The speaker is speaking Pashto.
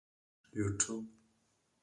یوټیوب